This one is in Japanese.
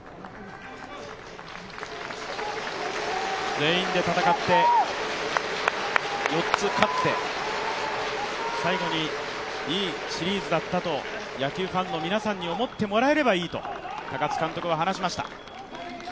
全員で戦って、４つ勝って、最後にいいシリーズだったと野球ファンの皆さんに思ってもらえればいいと高津監督は話しました。